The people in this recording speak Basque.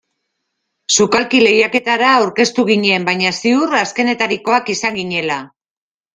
Sukalki lehiaketara aurkeztu ginen baina ziur azkenetarikoak izan ginela.